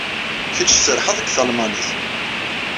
Kecc tserrḥeḍ deg talmanit.